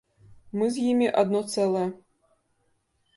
Мы з імі адно цэлае.